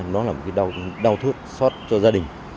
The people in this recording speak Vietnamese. nó là một cái đau thước xót cho gia đình